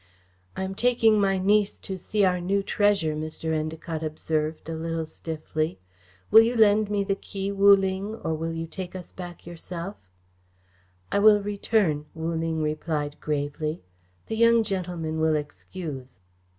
"I am taking my niece to see our new treasure," Mr. Endacott observed, a little stiffly. "Will you lend me the key, Wu Ling, or will you take us back yourself?" "I will return," Wu Ling replied gravely. "The young gentleman will excuse."